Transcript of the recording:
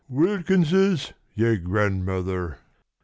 "Wilkins's your grandmother!"